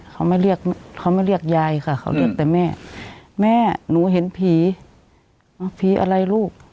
เขาไม่เรียกเขามาเรียกยายค่ะเขาเรียกแต่แม่แม่หนูเห็นผีผีอะไรลูก